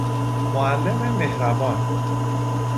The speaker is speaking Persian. معلم مهربان